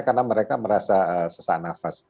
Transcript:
karena mereka merasa sesak nafas